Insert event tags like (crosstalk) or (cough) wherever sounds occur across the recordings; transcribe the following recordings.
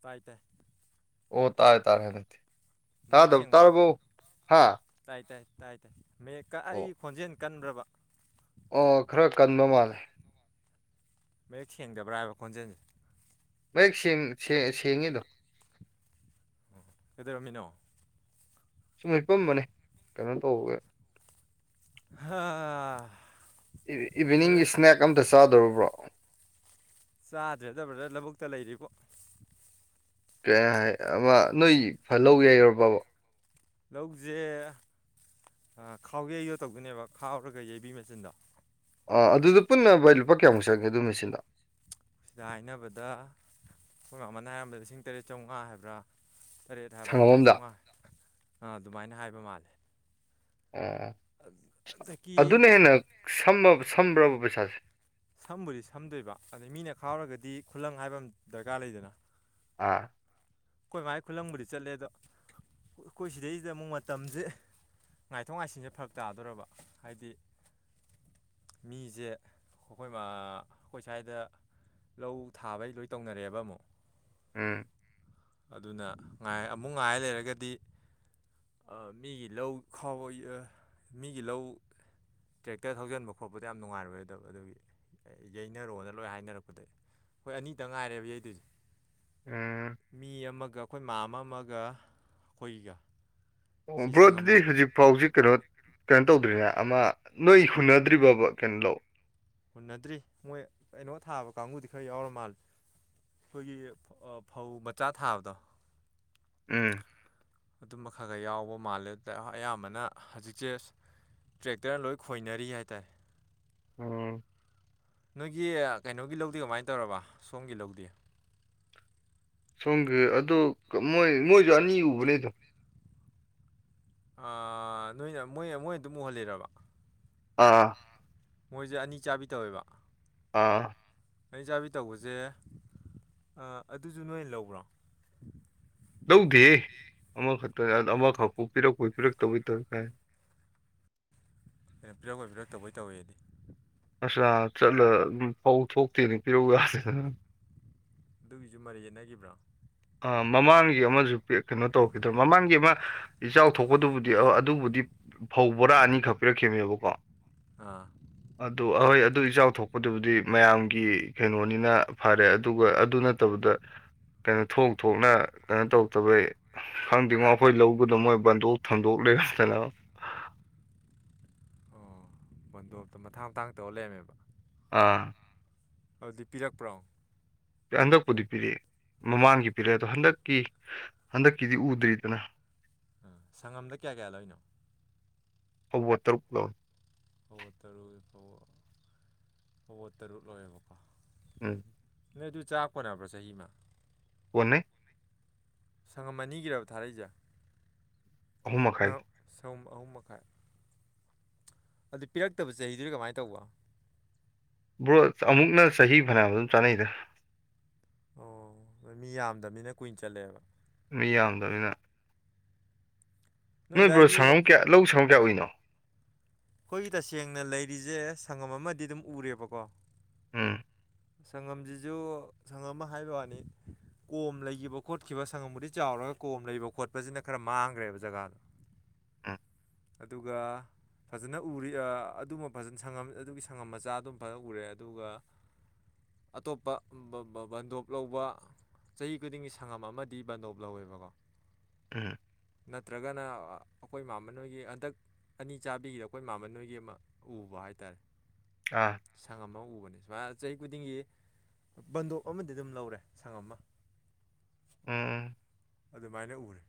ꯇꯥꯏ ꯇꯥꯏ ꯑꯣ ꯇꯥꯥꯔꯦ ꯇꯥꯔꯦ ꯅꯦ ꯃꯌꯦꯛ ꯁꯦꯡꯕ꯭ꯔꯣ ꯍꯥ ꯇꯥꯏ ꯇꯥꯏ ꯇꯥꯏ ꯇꯥꯏ ꯃꯌꯦꯛꯀ ꯑꯩ ꯑꯣ ꯍꯣꯟꯖꯦꯜ ꯀꯟꯕ꯭ꯔꯕ ꯑꯣ ꯈꯔ ꯀꯟꯕ ꯃꯥꯜꯂꯦ ꯃꯌꯦꯛ ꯁꯦꯡꯗꯕ꯭ꯔꯥ ꯍꯥꯏꯕ ꯈꯣꯟꯖꯦꯜꯁꯦ ꯃꯌꯦꯛ ꯁꯦꯡꯉꯤꯗꯣ ꯎꯝ ꯀꯩꯗꯧꯔꯝꯃꯤꯅꯣ ꯁꯨꯝ ꯍꯤꯞꯄꯝꯕꯅꯦ ꯀꯩꯅꯣ ꯇꯧꯕꯒ ꯍꯥꯥ ꯏꯚꯤꯅꯤꯡꯒꯤ ꯏꯁ꯭ꯅꯦꯛ ꯑꯝꯇ ꯆꯥꯗꯧꯔꯕ꯭ꯔꯣ (inaudible) ꯆꯥꯗ꯭ꯔꯗ ꯕꯗꯔ ꯂꯧꯕꯨꯛꯇ ꯂꯩꯔꯤꯕꯣ ꯀꯩ ꯍꯥꯏ ꯑꯃ ꯅꯣꯏ ꯐꯍꯒꯦ ꯌꯧꯔꯕꯕ ꯂꯧꯁꯦ ꯈꯥꯎꯒꯩꯗꯣ ꯇꯧꯗꯣꯏꯅꯦꯕ ꯈꯥꯎꯔꯒ ꯌꯩꯕꯤ ꯃꯦꯆꯤꯟꯗꯣ ꯑꯥ ꯑꯗꯨꯗ ꯄꯨꯟꯅ ꯚꯏ ꯂꯨꯄꯥ ꯀꯌꯥꯃꯨꯛ ꯆꯪꯒꯦ ꯑꯗꯨ ꯃꯤ ꯁꯤꯗ ꯉꯍꯟ ꯍꯥꯏꯅꯕꯗ ꯑꯩꯈꯣꯏꯅ ꯑꯃꯅ ꯍꯥꯏꯔꯝꯕꯗ ꯂꯤꯁꯤꯡ ꯇꯔꯦꯠ ꯆꯥꯝꯃꯉꯥ ꯍꯥꯏꯕ꯭ꯔꯥ ꯇꯔꯦꯠ ꯍꯥꯏꯕ꯭ꯔꯥ ꯁꯪꯉꯝ ꯇꯔꯦꯠ ꯑꯝꯗ ꯆꯥꯝꯃꯉꯥꯥ ꯑꯗꯨꯃꯥꯏꯅ ꯍꯥꯏꯕ ꯃꯥꯜꯂꯦ ꯑꯣ ꯑꯗꯒꯤ ꯑꯗꯨꯅ ꯍꯦꯟꯅ ꯁꯃ ꯁꯝꯕ꯭ꯔꯕ ꯄꯩꯁꯥꯁꯦ ꯁꯝꯕꯨꯗꯤ ꯁꯝꯗꯣꯏꯕ ꯑꯗꯩ ꯃꯤꯅ ꯈꯥꯎꯔꯒꯗꯤ ꯈꯨꯂꯪ ꯍꯥꯏꯕ ꯑꯃ ꯗꯔꯀꯥꯔ ꯂꯩꯗꯅ ꯑꯥ ꯑꯩꯈꯣꯏ ꯃꯥꯏ ꯈꯨꯂꯪꯕꯨꯗꯤ ꯆꯠꯂꯦ ꯑꯗꯣ ꯑꯩꯈꯣꯏ ꯁꯤꯗꯩꯁꯤꯗ ꯑꯃꯨꯛ ꯃꯇꯝꯁꯦ ꯉꯥꯏꯊꯣꯛ ꯉꯥꯏꯁꯤꯟꯁꯦ ꯐꯔꯛ ꯇꯥꯗꯣꯔꯕ ꯍꯥꯏꯗꯤ ꯃꯤꯁꯦ ꯑꯩꯈꯣꯏ ꯑꯩꯈꯣꯏ ꯁ꯭ꯋꯥꯏꯗ ꯂꯧ ꯊꯥꯕꯩ ꯂꯣꯏ ꯇꯧꯅꯔꯦꯕ ꯑꯃꯨꯛ ꯎꯝ ꯑꯗꯨꯅ ꯉꯥꯏ ꯑꯃꯨꯛ ꯉꯥꯏ ꯂꯩꯔꯒꯗꯤ ꯃꯤꯒꯤ ꯂꯧ ꯈꯥꯎꯕ ꯃꯤꯒꯤ ꯂꯧ ꯇ꯭ꯔꯦꯛꯇꯔ ꯊꯧꯖꯤꯟꯕ ꯈꯣꯠꯄꯗ ꯌꯥꯝ ꯅꯨꯡꯉꯥꯏꯔꯣꯏꯗꯕ ꯑꯗꯨꯒꯤ ꯌꯩꯅꯔꯣꯅ ꯂꯣꯏ ꯍꯥꯏꯅꯔꯛꯄꯗ ꯑꯩꯈꯣꯏ ꯑꯅꯤꯗ ꯉꯥꯏꯔꯦꯕ ꯌꯩꯗꯨꯁꯦ ꯎꯝ ꯃꯤ ꯑꯃꯒ ꯑꯩꯈꯣꯏ ꯃꯥ ꯑꯃ ꯑꯃꯒ ꯑꯩꯈꯣꯏꯒ ꯑꯣ ꯕ꯭ꯔꯣ ꯑꯗꯨꯗꯤ ꯍꯧꯖꯤꯛ ꯐꯥꯎꯁꯤ ꯀꯩꯅꯣ ꯀꯩꯅꯣ ꯇꯧꯗ꯭ꯔꯤꯅꯦ ꯑꯃ ꯅꯣꯏ ꯍꯨꯟꯅꯗ꯭ꯔꯤꯕꯣꯕ ꯀꯩꯅꯣ ꯂꯧ ꯍꯨꯟꯅꯗ꯭ꯔꯤ ꯃꯣꯏ ꯀꯩꯅꯣ ꯊꯥꯕ ꯀꯥꯡꯕꯨꯗꯤ ꯈꯔ ꯌꯥꯎꯔ ꯃꯥꯂꯦ ꯑꯩꯈꯣꯏꯒꯤ ꯐꯧ ꯃꯆꯥ ꯊꯥꯕꯗꯣ ꯎꯝ ꯑꯗꯨꯝꯕ ꯈꯔ ꯈꯔ ꯌꯥꯎꯕ ꯃꯥꯜꯂꯦ ꯑꯗꯨꯗ ꯑꯌꯥꯝꯕꯅ ꯍꯧꯖꯤꯛꯁꯦ ꯇ꯭ꯔꯦꯛꯇꯔ ꯂꯣꯏ ꯈꯣꯏꯅꯔꯤ ꯍꯥꯏꯇꯥꯔꯦ ꯎꯝ ꯅꯣꯏꯒꯤ ꯀꯩꯅꯣꯒꯤ ꯂꯧꯗꯤ ꯀꯃꯥꯏꯅ ꯇꯧꯔꯕ ꯁꯣꯝꯒꯤ ꯂꯧꯗꯤꯦ ꯁꯣꯝꯒꯤ ꯑꯗꯣ ꯃꯣꯏ ꯃꯣꯏꯁꯨ ꯑꯅꯤ ꯎꯕꯅꯦꯗꯣ ꯅꯣꯏꯅ ꯃꯣꯏ ꯃꯣꯏ ꯑꯗꯨꯝ ꯎꯍꯜꯂꯤꯔꯕ ꯑꯥ ꯃꯣꯏꯁꯦ ꯑꯅꯤ ꯆꯥꯕꯤ ꯇꯧꯋꯦꯕ ꯑꯥ ꯑꯩ ꯆꯥꯕꯤ ꯇꯧꯕꯁꯦ ꯑꯗꯨꯁꯨ ꯅꯣꯏ ꯂꯧꯕ꯭ꯔꯣ ꯂꯧꯗꯦ ꯑꯃꯈꯛꯇꯅꯦ ꯑꯃꯈꯛꯄꯨ ꯄꯤꯔꯛꯄꯩ ꯄꯤꯔꯛꯇꯕꯩ ꯇꯧ ꯀꯥꯏꯅ ꯀꯩꯅꯣ ꯄꯤꯔꯛꯑꯣꯣꯏ ꯄꯤꯔꯛꯇꯧꯕꯩ ꯇꯧꯋꯦꯗꯤ ꯑꯁ ꯆꯠꯂ ꯑꯗꯨꯝ ꯐꯧ ꯊꯣꯛꯇꯦꯅꯦ ꯄꯤꯔꯧ ꯌꯥꯗꯦꯗ ꯑꯗꯨꯒꯤꯁꯨ ꯃꯔꯔꯤ ꯌꯦꯠꯅꯈꯤꯕ꯭ꯔꯣ ꯑ ꯃꯃꯥꯡꯒꯤ ꯑꯃꯁꯨ ꯀꯩꯅꯣ ꯇꯧꯈꯤꯗ꯭ꯔ ꯃꯃꯥꯡꯒꯤ ꯑꯃ ꯏꯆꯥꯎ ꯊꯣꯛꯄꯗꯨꯕꯨꯗꯤ ꯑꯗꯨꯕꯨꯗꯤ ꯐꯧ ꯕꯣꯔꯥ ꯑꯅꯤꯈꯛ ꯄꯤꯔꯛꯈꯤꯕꯅꯦꯕꯀꯣ ꯑꯥ ꯑꯗꯨ ꯑꯍꯣꯏ ꯑꯗꯨ ꯏꯆꯥꯎ ꯊꯣꯛꯄꯗꯨꯕꯨꯗꯤ ꯃꯌꯥꯝꯒꯤ ꯀꯩꯅꯣꯅꯤꯅ ꯐꯔꯦ ꯑꯗꯨꯒ ꯑꯗꯨꯅ ꯅ ꯇꯕꯗ ꯊꯣꯛ ꯊꯣꯛꯅ ꯀꯩꯅꯣ ꯇꯧꯛꯇꯕꯩ ꯈꯪꯗꯦꯉꯣ ꯑꯩꯈꯣꯏ ꯂꯧꯒꯗꯕ ꯃꯣꯏ ꯕꯟꯗꯣꯛ ꯊꯟꯗꯣꯛ ꯂꯩꯔꯝꯗꯅꯕ ꯑꯣ ꯕꯟꯗꯣꯞꯇ ꯃꯊꯥꯡ ꯃꯊꯥꯡ ꯇꯧꯔ ꯂꯩꯔꯝꯃꯦꯕ ꯑꯥ ꯑꯗꯨꯗꯤ ꯄꯤꯔꯛꯄ꯭ꯔꯣ ꯍꯟꯗꯛꯄꯨꯗꯤ ꯄꯤꯔꯛꯑꯦ ꯃꯃꯥꯡꯒꯤ ꯄꯤꯔꯛꯑꯦ ꯑꯗꯣ ꯍꯟꯗꯛꯀꯤ ꯍꯟꯗꯛꯀꯤꯗꯤ ꯎꯗ꯭ꯔꯤꯗꯅ ꯑ ꯁꯪꯉꯝꯗ ꯀꯌꯥ ꯀꯌꯥ ꯂꯣꯏꯅꯣ ꯍꯧꯕ ꯇꯔꯨꯛ ꯂꯣ ꯐꯕꯣ ꯇꯔꯨ ꯐꯕ ꯐꯕꯣ ꯇꯔꯨꯛ ꯂꯣꯏꯌꯦꯦꯕꯀꯣ ꯎꯝ ꯅꯣꯏ ꯑꯗꯨ ꯆꯥꯛꯄꯣꯅꯕ꯭ꯔꯣ ꯆꯍꯤꯃ ꯄꯨꯟꯅꯦ ꯁꯪꯉꯝ ꯑꯅꯤꯒꯤꯔꯕ ꯊꯥꯔꯛꯏꯁꯦ ꯑꯍꯨꯝ ꯃꯈꯥꯏ ꯁꯨꯝ ꯑꯍꯨꯝ ꯃꯈꯥꯏ ꯑꯗꯨ ꯄꯤꯔꯛꯇꯕ ꯆꯍꯤꯗꯨꯗꯤ ꯀꯃꯥꯏꯅ ꯇꯧꯕ ꯕ꯭ꯔꯣ ꯑꯃꯨꯛꯅ ꯆꯍꯤ ꯐꯅꯌꯥꯝ ꯑꯗꯨꯝ ꯆꯥꯅꯩꯗ ꯑꯣ ꯑꯗ ꯃꯤ ꯌꯥꯝꯗꯕꯅꯤꯅ ꯀꯨꯏꯟ ꯆꯠꯂꯦꯕ ꯃꯤ ꯌꯥꯗꯕꯅꯤꯅ ꯅꯣꯏ ꯕ꯭ꯔꯣ ꯁꯪꯝ ꯀꯌꯥ ꯂꯧ ꯁꯪꯉꯝ ꯀꯌꯥ ꯑꯣꯏꯏꯅꯣ ꯑꯩꯈꯣꯏꯒꯤ ꯇꯁꯦꯡꯅ ꯂꯩꯔꯤꯁꯦ ꯁꯪꯉꯝ ꯑꯃꯗꯤ ꯑꯗꯨꯝ ꯎꯔꯦꯕꯀꯣ ꯎꯝ ꯁꯪꯉꯝꯁꯤꯁꯨ ꯁꯪꯉꯝ ꯑꯃ ꯍꯥꯏꯕ ꯋꯥꯅꯤ ꯀꯣꯝ ꯂꯩꯈꯤꯕ ꯈꯣꯠꯈꯤꯕ ꯁꯪꯉꯝꯕꯨꯗꯤ ꯆꯥꯎꯔꯒ ꯀꯣꯝ ꯂꯩꯕ ꯈꯣꯠꯄꯁꯤꯅ ꯈꯔ ꯃꯥꯡꯈ꯭ꯔꯦꯕ ꯖꯒꯥꯗꯣ (inaudible) ꯍꯥ ꯑꯗꯨꯒ ꯐꯖꯅ ꯎꯔꯤ ꯑꯗꯨꯃ ꯐꯖꯉꯝ ꯑꯗꯨꯒꯤ ꯁꯪꯉꯝ ꯃꯆꯥ ꯑꯗꯨꯝ ꯐꯖꯅ ꯎꯔꯦ ꯑꯗꯨꯒ ꯑꯇꯣꯞꯄ ꯕꯟꯗꯣꯞ ꯂꯧꯕ ꯆꯍꯤ ꯈꯨꯗꯤꯡꯒꯤ ꯁꯪꯉꯝ ꯑꯃꯗꯤ ꯕꯟꯗꯣꯞ ꯂꯧꯋꯦꯕꯀꯣ ꯎꯝ ꯅꯠꯇ꯭ꯔꯒꯅ ꯑꯩꯈꯣꯏ ꯏꯃꯅꯣꯏꯒꯤ ꯍꯟꯗꯛ ꯑꯅꯤ ꯆꯥꯕꯤꯒꯤꯗ ꯑꯩꯈꯣꯏ ꯃꯃꯟ ꯅꯣꯏꯒꯤ ꯑꯃ ꯎꯕ ꯍꯥꯏꯇꯥꯔꯦ ꯑꯥ ꯁꯪ ꯑꯃ ꯎꯕꯅꯤ ꯁꯨꯃꯥꯏ ꯆꯍꯤ ꯈꯨꯗꯤꯡꯒꯤ ꯕꯟꯗꯣꯞ ꯑꯃꯗꯤ ꯑꯗꯨꯝ ꯂꯧꯔꯦ ꯁꯪꯝꯃ ꯎꯝ ꯑꯗꯨꯃꯥꯏꯅ ꯎꯔꯦ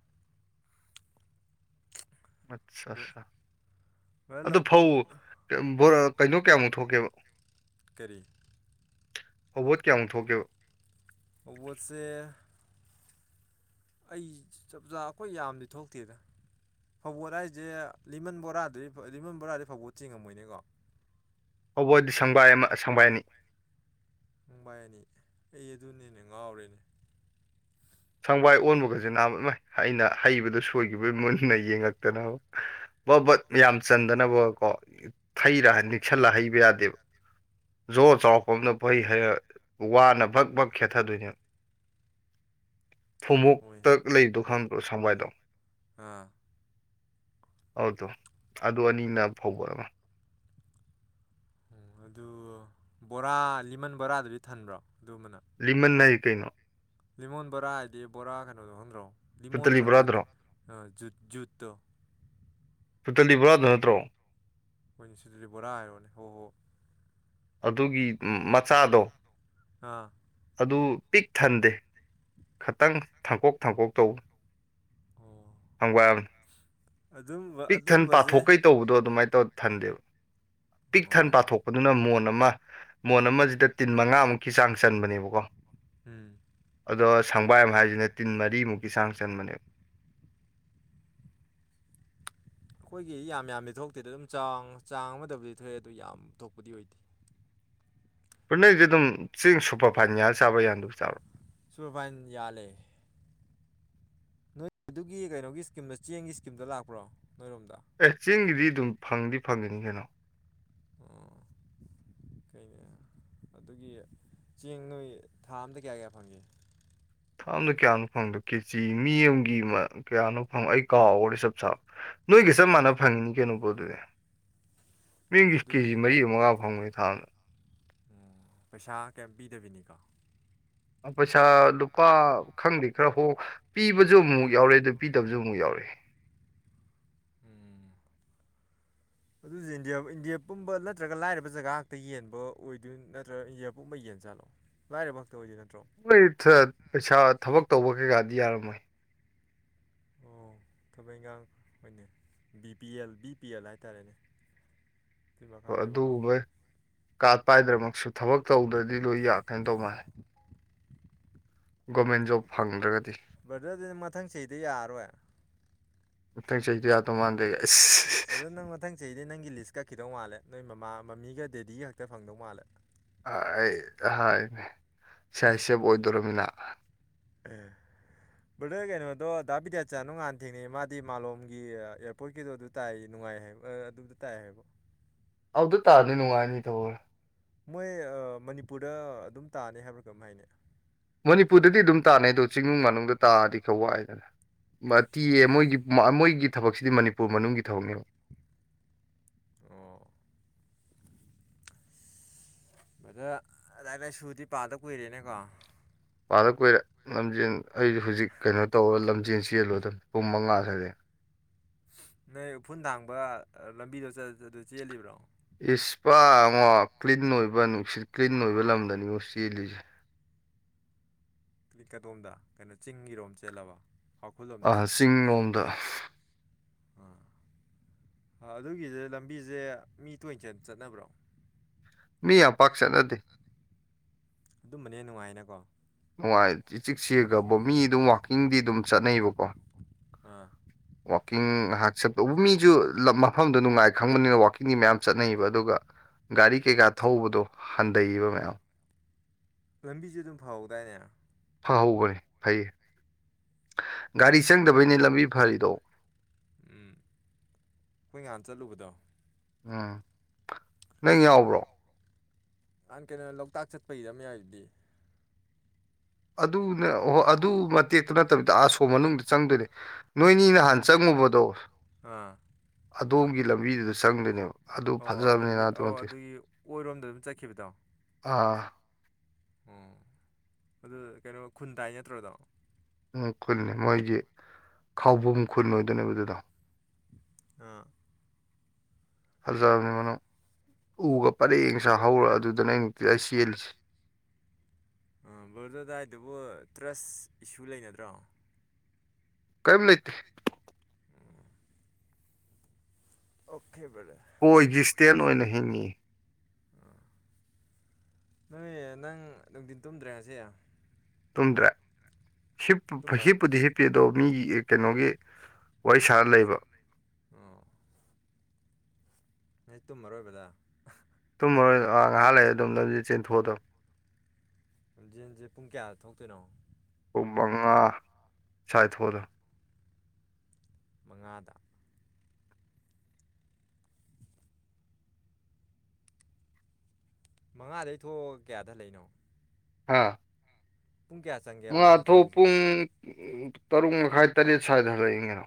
ꯑꯠ ꯕ꯭ꯔꯗꯔ ꯑꯠ ꯑꯗꯣ ꯐꯧ ꯂꯧꯀꯨꯝ ꯀꯩꯅꯣ ꯀꯌꯥꯃꯨꯛ ꯊꯣꯛꯀꯦꯕ ꯀꯔꯤ ꯑꯕꯣꯠ ꯀꯌꯥꯃꯨꯛ ꯊꯣꯛꯀꯦꯕ ꯑꯣꯕꯣꯠꯁꯦ ꯑꯩ ꯆꯞꯆꯥꯥ ꯑꯩꯈꯣꯏ ꯌꯥꯝꯗꯤ ꯊꯣꯛꯇꯦꯗ ꯐꯧꯧꯕꯣꯠ ꯍꯥꯏꯁꯦ ꯂꯤꯃꯟ ꯕꯣꯔꯥꯗꯗꯤ ꯂꯤꯃꯟ ꯕꯣꯔꯥꯗꯤ ꯐꯧꯕꯣꯠ ꯆꯤꯡꯉꯝꯃꯣꯏꯅꯤꯀꯣ ꯍꯧꯕꯣꯏꯗꯤ ꯁꯪꯕꯥꯏ ꯑꯃ ꯁꯪꯕꯥꯏ ꯑꯅꯤ ꯅꯨꯡꯕꯥꯏ ꯑꯅꯤ ꯑꯩ ꯑꯗꯨꯅꯤ ꯍꯦꯞꯅ ꯉꯥꯎꯔꯦꯅꯦ ꯁꯪꯕꯥꯏ ꯑꯣꯟꯕꯒꯁ ꯅꯍ ꯑꯩꯅ ꯍꯩꯕꯗꯨ ꯁꯣꯏꯈꯤꯕꯩ ꯃꯨꯟꯅ ꯌꯦꯡꯉꯛꯇꯅ ꯕ ꯕꯠ ꯌꯥꯝ ꯆꯟꯗꯅꯕ ꯀꯣꯩꯔ ꯅꯤꯡꯁꯜꯂ ꯍꯩꯕ ꯌꯥꯗꯦꯕ ꯖꯣꯔ ꯆꯥꯎꯔꯛꯄ ꯑꯅ ꯐꯩ ꯍꯔ ꯋꯥꯅ ꯕꯛ ꯕꯛ ꯈꯦꯠꯊꯗꯣꯏꯅꯦꯕ ꯍꯣꯏ ꯐꯨꯃꯛꯇ ꯂꯩꯗꯣ ꯈꯪꯕ꯭ꯔꯣ ꯁꯪꯕꯥꯏꯗꯣ ꯑꯥ ꯑꯗꯣ ꯑꯗꯨ ꯑꯅꯤꯅ ꯐꯧꯕꯔꯃ ꯎꯝ ꯑꯗꯨ ꯕꯣꯔꯥ ꯂꯤꯃꯟ ꯕꯣꯔꯥꯗꯨꯗꯤ ꯊꯟꯕ꯭ꯔꯣ ꯑꯗꯨꯃꯥꯅ ꯂꯤꯃꯟ ꯍꯥꯏꯖꯦ ꯀꯩꯅꯣ ꯂꯤꯃꯣꯟ ꯕꯣꯔꯥ ꯍꯥꯏꯗꯤ ꯕꯣꯔꯥ ꯀꯩꯅꯣꯗꯣ ꯈꯪꯗ꯭ꯔꯣ ꯂꯤꯃꯣꯟ ꯄꯨꯇꯂꯤ ꯈꯪꯗ꯭ꯔꯣ ꯕꯣꯔꯥꯗꯨꯔꯣ ꯖꯨꯠ ꯖꯨꯠꯇꯣ ꯐꯨꯠꯇꯜꯂꯤ ꯕꯣꯔꯥꯗꫭ ꯅꯠꯇ꯭ꯔꯣ ꯋꯥꯏꯅꯨꯁꯤꯂꯤ ꯕꯣꯔꯥ ꯍꯥꯏꯔꯣꯅꯦ ꯍꯣꯏ ꯍꯣꯏ ꯑꯗꯨꯒꯤ ꯃꯆꯥꯗꯣ ꯑꯥ ꯑꯗꯨ ꯄꯤꯛ ꯊꯟꯗꯦ ꯈꯇꯪ ꯊꯥꯡꯀꯣꯛ ꯊꯥꯡꯀꯣꯛ ꯇꯧ ꯑꯣ ꯍꯪꯕꯥꯏ ꯑꯃ (inaudible) ꯑꯗꯨꯝꯕ ꯄꯤꯛ ꯊꯟ ꯑꯗꯨꯝꯕꯁꯦ ꯄꯥꯊꯣꯛꯀꯩ ꯇꯧꯕꯗꯣ ꯑꯗꯨꯃꯥꯏ ꯇꯧ ꯊꯟꯗꯦꯕ ꯄꯤꯛ ꯊꯟ ꯑꯣ ꯄꯥꯊꯣꯛꯄꯗꯨꯅ ꯃꯣꯟ ꯑꯃ ꯃꯣꯟ ꯑꯃꯁꯤꯗ ꯇꯤꯟ ꯃꯉꯥꯃꯨꯛ ꯀꯤ ꯆꯥꯡ ꯆꯟꯕꯅꯦꯕꯀꯣ ꯎꯝ ꯑꯗꯣ ꯁꯪꯕꯥꯏ ꯑꯃ ꯍꯥꯏꯁꯤꯅ ꯇꯤꯟ ꯃꯔꯤꯃꯨꯛꯀꯤ ꯆꯥꯡ ꯆꯟꯕꯅꯦꯕ ꯑꯩꯈꯣꯏꯒꯤ ꯌꯥꯝ ꯌꯥꯝꯗꯤ ꯊꯣꯛꯇꯦꯗ ꯑꯗꯨꯝ ꯆꯥꯡ ꯆꯥꯡ ꯑꯃꯗꯕꯨꯗꯤ ꯊꯣꯛꯑꯦ ꯑꯗꯨ ꯌꯥꯝ ꯊꯣꯛꯄꯗꯤ ꯑꯣꯏꯗꯦ ꯕꯥꯏ ꯅꫭꯏꯗꯤ ꯑꯗꯨꯝ ꯆꯦꯡ ꯁꯨꯄꯔ ꯐꯥꯏꯟ ꯌꯥꯜ ꯆꯥꯕꯔ ꯌꯥꯗꯕꯤ ꯆꯥꯕꯔ ꯁꯨꯄꯔ ꯐꯥꯏꯟ ꯌꯥꯜꯂꯦ ꯅꯣꯏ ꯑꯗꯨꯒꯤ ꯀꯩꯅꯣꯒꯤ ꯏꯁꯀꯤꯝꯗ ꯆꯦꯡꯒꯤ ꯏꯁꯀꯤꯝꯗ ꯂꯥꯛꯄ꯭ꯔꯣ ꯅꯣꯏꯔꯣꯝꯗ ꯑꯦ ꯆꯤꯡꯒꯤꯗꯤ ꯑꯗꯨꯝ ꯐꯪꯗꯤ ꯐꯪꯒꯅꯤ ꯀꯩꯅꯣ ꯑꫭ ꯀꯩꯅꯦ ꯑꯗꯨꯒꯤ ꯆꯦꯡ ꯅꯣꯏ ꯊꯥ ꯑꯝꯇ ꯀꯌꯥ ꯀꯌꯥ ꯐꯪꯒꯦ ꯊꯥ ꯑꯃꯗ ꯀꯌꯥꯅꯣ ꯐꯪꯕꯗꯣ ꯀꯦꯖꯤ ꯃꯤ ꯑꯃꯒꯤ ꯀꯌꯥꯅꯣ ꯐꯪꯕ ꯑꯩ ꯀꯥꯎꯈꯔꯦ ꯆꯞ ꯆꯥꯕ ꯅꯣꯏꯒ ꯆꯞ ꯃꯥꯟꯅꯕ ꯐꯪꯉꯤꯅꯤ ꯀꯩꯅꯣꯕꯣ ꯑꯗꯨꯗꯤ (inaudible) ꯃꯤꯡꯒꯤ ꯀꯦꯖꯤ ꯃꯔꯤ ꯃꯉꯥ ꯐꯪꯕꯅꯤ ꯊꯥꯗꯥ ꯎꯝ ꯄꯩꯁꯥ ꯀꯩꯝ ꯄꯤꯗꯕꯤꯅꯤꯀꯣ ꯄꯩꯁꯥ ꯂꯨꯄꯥ ꯈꯪꯗꯦ ꯈꯔ ꯍꯣꯡ ꯄꯤꯕꯁꯨ ꯑꯃꯨꯛ ꯌꯥꯎꯔꯦ ꯑꯗꯨ ꯄꯤꯗꯕꯁꯨ ꯑꯃꯨꯛ ꯌꯥꯎꯔꯦ ꯎꯝ ꯑꯗꯨꯁꯨ ꯏꯟꯗꯤꯌꯥ ꯏꯟꯗꯤꯌꯥ ꯄꯨꯝꯕ ꯅꯠꯇ꯭ꯔꯒ ꯂꯥꯏꯔꯕ ꯖꯒꯥ ꯉꯥꯛꯇ ꯌꯦꯟꯕ ꯑꯣꯏꯗꯣꯏ ꯅꯠꯇ꯭ꯔꯒ ꯏꯟꯗꯤꯌꯥ ꯄꯨꯝꯕ ꯌꯦꯟ ꯖꯠꯂꯣ ꯂꯥꯏꯔꯕ ꯈꯛꯇ ꯑꯣꯏꯗꯣꯏ ꯅꯠꯇ꯭ꯔꯣ ꯂꯩꯊꯥꯠ ꯄꯩꯁꯥ ꯊꯕꯛ ꯇꯧꯕ ꯀꯩꯀꯥꯗꯤ ꯌꯥꯔꯝꯃꯣꯏ ꯑꯣ ꯊꯕꯩ ꯏꯈꯥꯡ ꯍꯣꯏꯅꯦ B P L B P L ꯍꯥꯏꯇꯥꯔꯦꯅꯦ ꯑꯗꯨꯏ ꯃꯈꯥ ꯍꯣꯏ ꯂꯩꯕ ꯀꯥꯡꯕꯨ ꯑꯗꯨꯒꯨꯝꯕꯩ ꯀꯥꯔꯠ ꯄꯥꯏꯗ꯭ꯔꯃꯛꯁꯨ ꯊꯕꯛ ꯇꯧꯗ꯭ꯔꯗꯤ ꯂꯣꯏ ꯌꯥꯀꯩꯅ ꯇꯧ ꯃꯥꯜꯂꯦ ꯒꯣꯃꯦꯟ ꯖꯣꯕ ꯐꯪꯗ꯭ꯔꯒꯗꯤ ꯕ꯭ꯔꯗꯔ ꯑꯗꯨꯗꯤ ꯃꯊꯪ ꯆꯍꯤꯗ ꯌꯥꯔꯔꯣꯏ ꯍꯟꯗꯛ ꯆꯍꯤ ꯌꯥꯗꯣ ꯃꯥꯟꯗꯦꯁ ꯑꯗꯣ ꯅꯪ ꯃꯊꯪ ꯆꯍꯤꯗꯤ ꯅꯪꯒꯤ ꯂꯤꯁ ꯀꯛꯈꯤꯗꯧ ꯃꯥꯜꯂꯦ ꯅꯣꯏ ꯃꯃꯥ ꯃꯃꯤꯒ ꯗꯦꯗꯤꯒ ꯈꯛꯇ ꯐꯪꯗꯧ ꯃꯥꯜꯂꯦ ꯑꯩ (unintelligible) ꯑꯍꯅꯦ ꯁꯥꯏ ꯁꯦꯞ ꯑꯣꯏꯗꯣꯔꯃꯤꯅ ꯑꯦ ꯕꯗ꯭ꯔ ꯀꯩꯅꯣꯗꯣ ꯗꯥ ꯕꯤꯗꯤꯌꯆꯥꯟꯗꫭ ꯉꯥꯍꯟ ꯊꯦꯡꯅꯩ ꯃꯥꯗꯤ ꯃꯥꯂꯣꯝꯒꯤ ꯏꯌꯔ ꯄꯣꯏꯠꯀꯤꯗꯣ ꯑꯗꯨ ꯇꯥꯏ ꯅꯨꯡꯉꯥꯏ ꯍꯥꯏꯕ ꯑꯗꯨꯗ ꯇꯥꯏ ꯍꯥꯏꯕ ꯑꯗꯨꯗ ꯇꯥꯔꯗꯤ ꯅꯨꯡꯉꯥꯏꯅꯤ ꯇꯧꯕ ꯃꯣꯏ ꯃꯅꯤꯄꯨꯔꯗ ꯑꯗꯨꯝ ꯇꯥꯅꯤ ꯍꯥꯏꯕ꯭ꯔꯥ ꯀꯃ ꯍꯥꯏꯅꯦ ꯃꯅꯤꯄꯨꯔꯗꯗꯤ ꯑꯗꯨꯝ ꯇꯥꯅꯩ ꯑꯗꯣ ꯆꯤꯡꯅꯨꯡ ꯃꯅꯨꯡꯗ ꯇꯥꯔꯗꯤ ꯈꯔ ꯋꯥꯏꯗꯅ ꯑꯣ ꯃꯇꯤꯌꯦ ꯃꯣꯏꯒꯤ ꯃꯣꯏꯒꯤ ꯊꯕꯛꯁꯤꯗꯤ ꯃꯅꯤꯄꯨꯔ ꯃꯅꯨꯡꯒꯤ ꯊꯕꯛꯅꯦꯕ ꯑꯣ ꯕꯗ꯭ꯔ ꯂꯥꯏꯔꯤꯛ ꯂꯩꯁꯨꯗꯤ ꯄꯥꯗ ꯀꯨꯏꯔꯦꯅꯦꯀꯣ ꯄꯥꯗ ꯀꯨꯏꯔꯦ ꯂꯝꯖꯦꯟ ꯑꯩꯁꯨ ꯍꯧꯖꯤꯛ ꯀꯩꯅꯣ ꯇꯧꯔ ꯂꯝꯖꯦꯟ ꯆꯦꯜꯂꯨꯗꯅꯤ ꯄꯨꯡ ꯃꯉꯥ ꯁꯥꯏꯗꯒꯤ ꯅꯣꯏ ꯎꯐꯨꯜ ꯊꯥꯡꯕ ꯂꯝꯕꯤꯗꯣ ꯑꯗꯨ ꯆꯦꯜꯂꯤꯕ꯭ꯔꯣ ꯏꯁꯄꯥꯉ ꯀ꯭ꯂꯤꯟ ꯑꯣꯏꯕ ꯅꯨꯡꯁꯤꯠ ꯀ꯭ꯂꯤꯟ ꯑꯣꯏꯕ ꯂꯝꯗꯅꯤꯉꯣ ꯆꯦꯜꯂꯤꯁꯦ ꯀꯛꯀꯗꯣꯝꯗ ꯀꯩꯅꯣ ꯆꯤꯡꯒꯤꯔꯣꯝ ꯆꯦꯜꯂꯕ ꯑ ꯄꯥꯎꯈꯨꯜꯂꯣꯝꯗ ꯆꯤꯡ ꯂꯣꯝꯗ ꯑꯥ ꯑꯗꯨꯒꯤꯗ꫰ꯂꯝꯕꯤꯁꯦ ꯃꯤ ꯇꯣꯏ ꯆꯠꯅꯕ꯭ꯔꯣ ꯃꯤ ꯌꯥꯝ ꯄꯥꯛ ꯆꯠꯅꯗꯦ ꯑꯗꯨꯝꯕꯅꯦ ꯅꯨꯡꯉꯥꯏꯅꯀꯣ ꯅꯨꯡꯉꯥꯏ ꯆ ꯆꯤꯛꯁꯤꯦꯈꯕ ꯃꯤ ꯑꯗꯨꯝ ꯋꯥꯋꯥꯛꯀꯤꯡꯗꯤ ꯑꯗꯨꯝ ꯆꯠꯅꯩꯕꯀꯣ ꯑꯥ ꯋꯥꯋꯥꯛꯀꯤꯡ ꯉꯥꯏꯍꯥꯛ ꯆꯠꯄꯕꯨ ꯃꯤꯁꯨ ꯃꯐꯝꯗ ꯅꯨꯡꯉꯥꯏ ꯈꯪꯕꯅꯤꯅ ꯋꯥꯀꯤ ꯃꯌꯥꯝ ꯆꯠꯅꯩꯕ ꯑꯗꯨꯒ ꯒꯥꯔꯤ ꯀꯩꯀꯥ ꯊꯧꯕꯗꯣ ꯍꯟꯊꯩꯕ ꯃꯌꯥꯝ ꯂꯝꯕꯤꯁꯦ ꯑꯗꯨꯝ ꯐꯍꯧꯗꯥꯏꯅꯦ ꯐꯍꯈꯅꯤ ꯐꯩꯌꯦ ꯒꯥꯔꯤ ꯆꯪꯗꯕꯩꯅꯤ ꯂꯝꯕꯤ ꯐꯔꯤꯗꯣ ꯎꯝ ꯑꯩꯈꯣꯏ ꯉꯍꯥꯟ ꯆꯠꯂꯨꯕꯗꯣ ꯎꯝ ꯅꯪ ꯌꯥꯎꯕ꯭ꯔꯣ ꯅꯍꯥꯟ ꯀꯩꯅꯣ ꯂꯣꯛꯇꯥꯛ ꯆꯠꯄꯒꯤꯗ꫰ꯑꯃꯥ ꯌꯥꯎꯔꯤꯗꯨꯗꯤ ꯑꯗꯨꯅ ꯍꯣꯏ ꯑꯗꯨ ꯃꯇꯦꯛꯇ ꯅꯠꯇꯕꯤꯗ ꯑꯥꯁꯣ ꯃꯅꯨꯡꯗ ꯆꯪꯗꯣꯏꯅꯦ ꯅꯣꯏꯅꯤ ꯅꯍꯥꯟ ꯆꯪꯉꯨꯕꯗꯣ ꯑꯥ ꯑꯗꯣꯝꯒꯤ ꯂꯝꯕꯤꯗꯨꯗ ꯆꯪꯗꯣꯏꯅꯦꯕ ꯑꯗꯨ ꯑꯣ ꯑꯗꯨꯒꯤ ꯐꯖꯕꯅꯤꯅ ꯑꯗꯨ ꯑꯣ ꯃꯇꯦꯛ ꯑꯗꯨꯒꯤ ꯑꯣꯏꯔꯣꯝꯗ ꯑꯗꯨꯝ ꯆꯠꯈꯤꯕꯗꯣ ꯑꯥ ꯑꯣ ꯑꯗꯨ ꯀꯩꯅꯣ ꯈꯨꯟꯇꯥꯏ ꯅꯠꯇ꯭ꯔꯣꯗꯣ ꯎ ꯈꯨꯜꯅꯤ ꯃꯣꯏꯁ ꯈꯕꯝ ꯈꯨꯟ ꯑꯣꯏꯗꯣꯏꯅꯦꯕ ꯑꯗꯨꯗꯣ ꯑꯥ ꯐꯖꯕꯅꯤ ꯃꯅ ꯎꯒ ꯄꯔꯦꯡ ꯁꯥꯥ ꯍꯧꯔ ꯑꯗꯨꯗꯅ ꯑꯩꯅꯅꯨꯡꯛꯇꯤ ꯑꯩ ꯆꯦꯜꯂꯤꯁꯦ ꯕꯔꯗꯣꯗꯥꯏꯗꯨꯕꯨ ꯇ꯭ꯔꯁ ꯏꯁꯨ ꯂꯩꯅꯗ꯭ꯔꯣ ꯀꯩꯝ ꯂꯩꯇꯦ ꯑꯣ ꯑꯣꯀꯦ ꯕꯔꯣꯊꯦꯔ ꯄꯣꯏꯒꯤ ꯏꯁ꯭ꯇꯦꯟ ꯑꯣꯏꯅ ꯍꯤꯡꯏꯤ ꯑꯥ ꯅꯣꯏ ꯅꯪ ꯅꯨꯡꯊꯤꯟ ꯇꯨꯝꯗ꯭ꯔꯦ ꯍꯥꯏꯁꯦ ꯇꯨꯝꯗ꯭ꯔꯦ ꯍꯞꯄ ꯍꯤꯞꯄꯨꯗꯤ ꯍꯤꯞꯄꯤ ꯑꯗꯣ ꯃꯤꯒꯤ ꯀꯩꯅꯣꯒꯤ ꯋꯥꯔꯤ ꯁꯥꯔ ꯂꯩꯕ ꯄꯩꯁꯥ ꯂꯩꯕ ꯎ ꯑꯩ ꯇꯨꯝꯃꯔꯣꯏꯕꯗ ꯇꯨꯝꯃꯔꯣꯏ ꯉꯥꯏꯍꯥꯛ ꯂꯩꯔ ꯑꯗꯨꯝ ꯅꯝꯁ ꯆꯦꯟꯊꯣꯛꯑꯗꯣ ꯂꯝꯖꯦꯜꯁꯦ ꯄꯨꯡ ꯀꯌꯥꯗ ꯊꯣꯛꯇꯣꯏꯅꯣ ꯑꯣ ꯃꯉꯥ ꯁꯥꯏꯊꯣꯔ ꯃꯉꯥꯗ ꯃꯉꯥꯗꯒꯤ ꯊꯣꯛꯑꯒ ꯀꯌꯥꯗ ꯂꯩꯏꯅꯣ ꯍꯥꯥ ꯄꯨꯡ ꯀꯌꯥꯦ ꯃꯉꯥ ꯑꯊ ꯄꯨꯡ ꯇꯔꯨꯛ ꯃꯈꯥꯏ ꯇꯔꯦꯠ ꯁ꯭ꯋꯥꯏꯗ ꯍꯜꯂꯛꯏꯒꯩꯅꯣ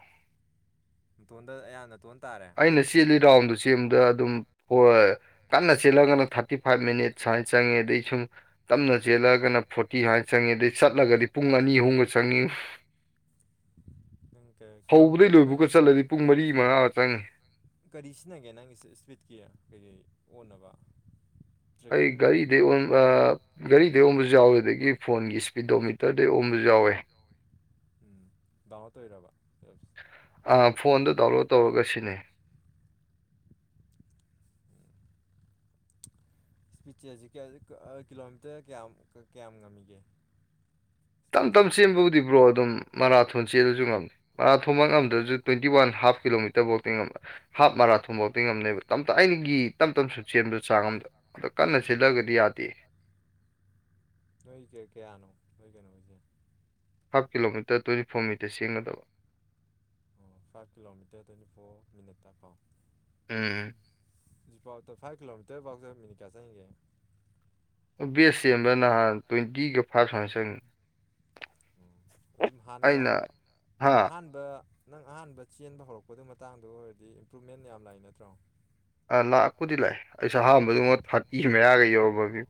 ꯇꯣꯟꯗ ꯑ ꯌꯥꯝꯅ ꯇꯣꯟ ꯇꯥꯔꯦ ꯑꯩꯅ ꯆꯦꯜꯂꯤ ꯔꯥꯎꯟꯗꯨ ꯆꯦꯟꯕꯗ ꯑꯗꯨꯝ ꯍ ꯀꯟꯅ ꯆꯦꯜꯠꯂꯒꯅ ꯊꯥꯔꯇꯤ ꯐꯥꯏꯚ ꯃꯤꯅꯤꯠ ꯆꯥꯏ ꯆꯥꯡꯉꯦꯗꯩ ꯁꯨꯝ ꯇꯞꯅ ꯆꯦꯜꯂꯒꯅ ꯐꯣꯔꯇꯤ ꯍꯥꯏꯥꯟꯅ ꯆꯪꯉꯤ ꯑꯗꯩ ꯆꯠꯂꯒꯗꯤ ꯄꯨꯡ ꯑꯅꯤ ꯑꯍꯨꯝꯒ ꯆꯪꯉꯤ ꯅꯪ ꯍꯧꯕꯗꯒꯤꯩ ꯀꯤꯂꯣꯃꯤꯇꯔ ꯅꯪ ꯂꯣꯏꯕꯒ ꯆꯠꯂꯗꯤ ꯄꯨꯡ ꯃꯔꯤ ꯃꯉꯥ ꯆꯪꯉꯤ ꯀꯔꯤ ꯁꯤꯖꯤꯟꯅꯒꯦ ꯅꯪꯒꯤꯦ ꯏꯁꯄꯤꯠꯀꯤ ꯀꯩꯀꯩ ꯑꯣꯟꯅꯕ ꯑꯩ ꯇ꯭ꯔꯦꯛꯀꯤꯡ ꯀꯩ ꯒꯥꯔꯤꯗ ꯑ ꯒꯥꯔꯤꯗꯩ ꯑꯣꯝꯕꯁꯨ ꯌꯥꯎꯋꯦ ꯑꯗꯒꯤ ꯐꯣꯟꯒꯤ ꯏꯁꯄꯤꯗꯣ ꯃꯤꯇꯔꯗꯩ ꯑꯣꯝꯕꯁꯨ ꯌꯥꯎꯋꯦ ꯎꯝ ꯗꯥꯃ ꯇꯣꯏꯔꯕ ꯑ ꯐꯣꯟꯗꯣ ꯗꯥꯎꯟꯂꯣꯗ ꯇꯧꯔꯒ ꯁꯤꯅꯦ ꯁ꯭ꯄꯤꯠꯁꯦꯖꯤ ꯀꯤꯂꯣꯃꯤꯇꯔ ꯀꯌꯥꯝ ꯀꯌꯥꯝ ꯉꯝꯃꯤꯒꯦ ꯇꯝ ꯏꯁꯄꯤꯠꯁꯦ ꯇꯞ ꯀꯌꯥꯝ ꯆꯦꯟꯕꯕꯨꯗꯤꯕ꯭ꯔꯣ ꯑꯗꯨꯝ ꯃꯔꯥꯊꯣꯟ ꯆꯦꯜꯂꯁꯨ ꯉꯝꯗ ꯃꯔꯥꯊꯣꯟꯃꯛ ꯉꯝꯗ꯭ꯔꯁꯨ ꯇ꯭ꯋꯦꯟꯇꯤ ꯋꯥꯟ ꯍꯥꯐ ꯀꯤꯂꯣꯃꯤꯇꯔ ꯕꯣꯇꯤꯡ ꯍꯥꯐ ꯃꯔꯥꯊꯣꯟ ꯕꯣꯇꯤꯡ ꯑꯃꯝꯅꯦꯕ ꯇꯞꯇ ꯑꯩꯅꯒꯤ ꯇꯞ ꯇꯞꯁꯨ ꯆꯦꯟꯕꯗ ꯆꯥꯡ ꯑꯗ ꯑꯗꯣ ꯀꯟꯅ ꯎꯝ ꯆꯦꯜꯂꯒꯗꯤ ꯌꯥꯗꯦ ꯅꯣꯏꯒꯦ ꯀꯌꯥꯅꯣ ꯅꯣꯏ ꯀꯅꯣꯁꯦ half kilometre twenty four metre ꯁꯦꯝꯒꯗꯕ ꯑꯣ ꯐꯥꯏꯚ ꯀꯤꯂꯣꯃꯤꯇꯔ ꯇ꯭ꯋꯦꯟꯇꯤ ꯐꯣꯔ ꯃꯤꯅꯠꯇ ꯄꯥꯎ ꯑꯦ ꯍꯧꯖꯤꯛꯐꯥꯎꯗ ꯐꯥꯏꯚ ꯀꯤꯂꯣꯃꯤꯇꯔꯐꯥꯎꯖꯔꯕ ꯃꯤꯅꯤ ꯀꯌꯥ ꯆꯪꯒꯦ ꯕꯦꯁ ꯆꯦꯟꯕ ꯅꯍꯥꯟ ꯇ꯭ꯋꯦꯟꯇꯤꯒ ꯐꯥꯔꯚ ꯁꯨ ꯆꯪꯉꯅꯤ ꯎꯝ ꯑꯗꯨꯝ ꯍꯥꯟꯅꯒ ꯑꯩꯅ ꯍꯥ ꯑꯍꯥꯟꯕ ꯑꯗ ꯅꯪ ꯑꯍꯥꯟꯕ ꯆꯦꯟꯕ ꯍꯧꯔꯛꯄꯗꯨ ꯃꯇꯥꯡꯗ ꯑꯣꯏꯔꯗꯤ ꯏꯝꯄ꯭ꯔꯨꯚꯃꯦꯟ ꯌꯥꯝ ꯂꯥꯛꯏ ꯅꯠꯇ꯭ꯔꯣ ꯂꯥꯛꯄꯨꯗꯤ ꯂꯥꯛꯦ ꯑꯩꯁꯨ ꯑꯍꯝꯕꯗꯨꯉ ꯐꯥꯀꯤ ꯃꯌꯥꯒ ꯌꯧꯔꯕꯒꯤ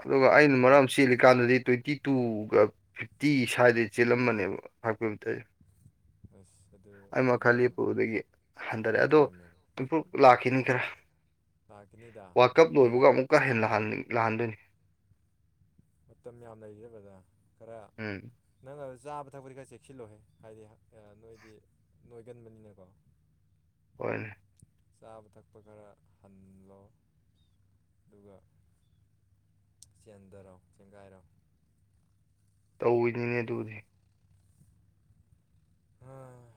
ꯑꯗꯨꯒ ꯑꯩꯅ ꯑꯗꯨꯅꯤ ꯃꯔꯝ ꯀꯩꯅꯣ ꯁꯤ ꯍꯧꯖꯤ ꯀꯥꯟꯗꯗꯤ ꯇ꯭ꯋꯦꯟꯇꯤ ꯇꯨꯒ ꯐꯤꯞꯇꯤ ꯁ꯭ꯋꯥꯏꯗꯩ ꯆꯦꯜꯂꯝꯃꯅꯦꯕ ꯐꯥꯏꯚ ꯀꯤꯂꯣꯃꯤꯇꯔꯁꯦ ꯑꯁ ꯑꯗꯨ ꯑꯩ ꯐꯟ ꯃꯈꯥꯒꯤ ꯇꯧꯔꯝ ꯄꯨꯕꯗꯒꯤ ꯐꯟ ꯍꯟꯊꯔꯛꯑꯦ ꯑꯗꯣ ꯇꯧꯔꯝꯃꯦꯕ ꯏꯝꯄ꯭ꯔꯨꯞ ꯂꯥꯛꯈꯤꯅꯤ ꯈꯔ ꯂꯥꯛꯈꯤꯅꯤꯗ ꯋꯥꯔ ꯀꯞ ꯂꯩ ꯂꯣꯏꯕꯒ ꯑꯃꯨꯛꯀ ꯍꯦꯟꯅ ꯂꯥꯛꯍꯟꯗꯣꯏꯅꯤ ꯃꯇꯝ ꯌꯥꯝ ꯂꯩꯖꯕꯗ ꯈꯔ ꯎꯝ ꯅꯪ ꯆꯥꯕ ꯊꯛꯄꯗꯤ ꯈꯔ ꯆꯦꯛꯁꯤꯜꯂꯣꯍꯦ ꯍꯥꯏꯗꯤ ꯅꯣꯏꯗꯤ ꯅꯣꯏꯒꯟꯕꯅꯤꯅꯀꯣ ꯍꯣꯏ ꯆꯥꯕ ꯊꯛꯄ ꯈꯔ ꯍꯟꯂꯣ ꯑꯗꯨꯒ ꯆꯦꯟꯗꯔꯣ ꯆꯦꯡꯒꯥꯏꯔꯣ ꯇꯧꯤꯅꯤꯅꯦ ꯑꯗꯨꯗꯤ ꯑꯥ